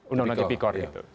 undang undang tipik kor gitu